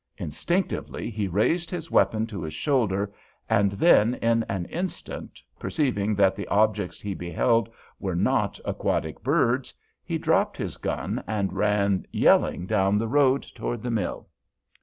Instinctively he raised his weapon to his shoulder, and then, in an instant, perceiving that the objects he beheld were not aquatic birds, he dropped his gun and ran yelling down the road toward the mill.